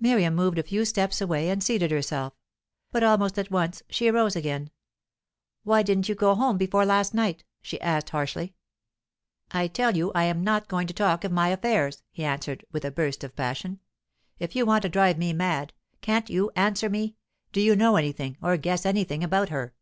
Miriam moved a few steps away and seated herself. But almost at once she arose again. "Why didn't you go home before last night?" she asked harshly. "I tell you, I am not going to talk of my affairs," he answered, with a burst of passion. "If you want to drive me mad ! Can't you answer me? Do you know anything, or guess anything, about her?"